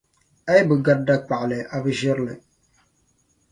A yi bi gari dakpaɣali a bi ʒiri li.